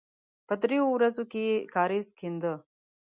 په دریو ورځو کې یې کاریز کېنده.